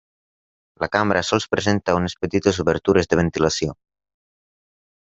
La cambra sols presenta unes petites obertures de ventilació.